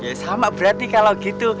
ya sama berarti kalau gitu